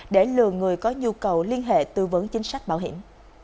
để lừa người có nhu cầu liên hệ tư vấn chính sách bảo hiểm